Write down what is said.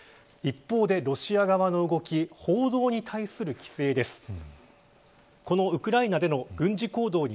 一方で、ロシア側の動き報道に対する規制です。